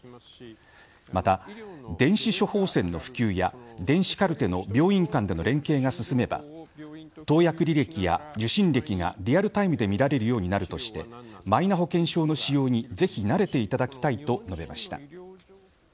また、電子処方箋の普及や電子カルテの病院間の連携が進めば投薬履歴や受診歴がリアルタイムで見られるようになるとしてマイナ保険証の使用にぜひ慣れていただきたいと述べました。